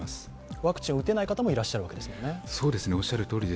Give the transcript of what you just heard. ワクチンを打てない方もいらっしゃるわけですよね。